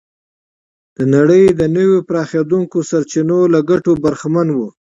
د نړۍ د نویو پراخېدونکو سرچینو له ګټو برخمن و.